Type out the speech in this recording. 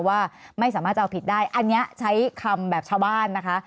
ว่าไม่สามารถจะเอาผิดได้อันนี้ใช้คำแบบชาวบ้านนะคะ